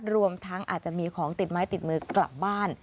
รวมทั้งอาจจะมีของติดไม้ติดมือกลับบ้าน